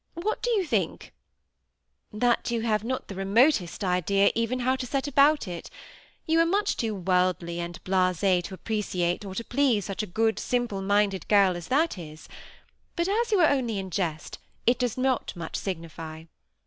What do you think ?"'* That you have not the remotest idea even how to set about it ; you are much too worldly and too blase to appreciate, or to please such a good, simple>minded girl as that is ; but as you are only in jest, it does not much signify."